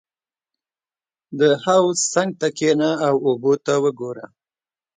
• د حوض څنګ ته کښېنه او اوبه ته وګوره.